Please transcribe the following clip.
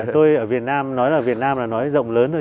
tôi ở việt nam nói là việt nam là nói giọng lớn thôi